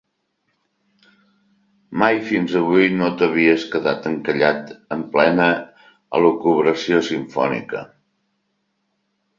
Mai fins avui no t'havies quedat encallat en plena elucubració simfònica.